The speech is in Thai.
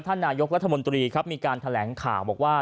นายกรัฐมนตรีครับมีการแถลงข่าวบอกว่า